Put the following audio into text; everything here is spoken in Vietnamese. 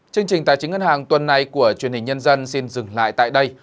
chương trình tài chính ngân hàng tuần này của truyền hình nhân dân xin dừng lại tại đây